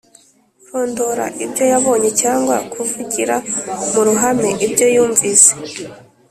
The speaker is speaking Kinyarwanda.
Kurondora ibyo yabonye cyangwa Kuvugira mu ruhame ibyo yumvise